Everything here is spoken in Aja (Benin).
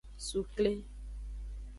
Sukle.